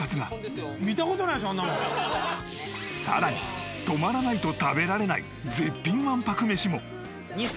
さらに泊まらないと食べられない絶品１泊メシも。